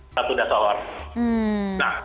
satu dasar warna